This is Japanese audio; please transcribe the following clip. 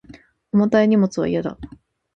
重たい荷物は嫌だ